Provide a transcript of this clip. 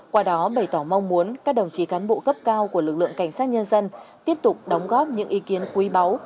qua đó bày tỏ mong muốn các đồng chí cán bộ cấp cao của lực lượng cảnh sát nhân dân tiếp tục đóng góp những ý kiến quý báu